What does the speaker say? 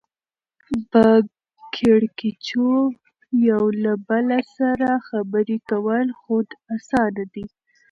په کېړکیچو یو له بله سره خبرې کول خود اسانه دي